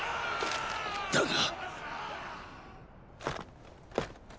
だが。